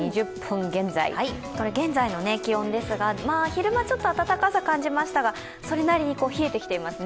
現在の気温ですが昼間ちょっと暖かさを感じましたがそれなりに冷えてきていますね。